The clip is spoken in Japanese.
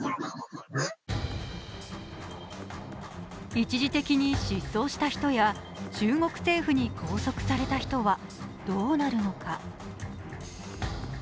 一時的に失踪した人や中国政府に拘束された人はどうなるのか？